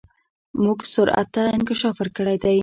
موږ سرعت ته انکشاف ورکړی دی.